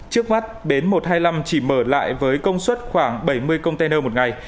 trước mắt bến một trăm hai mươi năm chỉ mở lại với công suất khoảng bảy mươi container một ngày